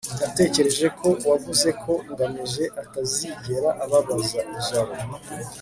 natekereje ko wavuze ko ngamije atazigera ababaza jabo